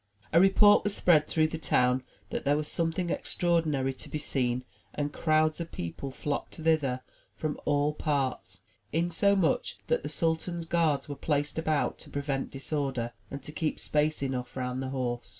A report was spread through the town that there was something extraordinary to be seen, and crowds of people flocked thither 54 THE TREASURE CHEST from all parts, insomuch that the sultan's guards were placed about to prevent disorder, and to keep space enough round the horse.